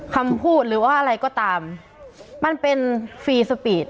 คำพูดหรือว่าอะไรก็ตามมันเป็นฟรีสปีด